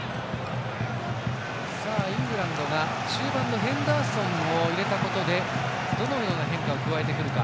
イングランドは中盤のヘンダーソンを入れたことでどのような変化を加えてくるか。